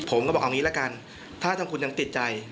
ผมก็บอกเอางี้ละกันถ้าทางคุณยังติดใจ